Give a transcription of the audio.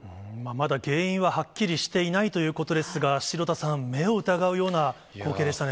まだ原因ははっきりしていないということですが、城田さん、目を疑うような光景でしたね。